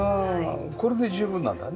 これで十分なんだね。